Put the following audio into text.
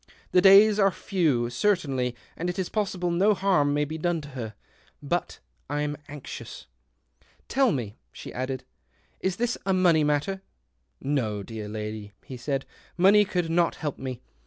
The days are few, certainly, and it is possible no harm may be done to her. But I'm anxious." " Tell me," she added, " is this a money matter ?" "No, dear lady," he said. " Money could not help me.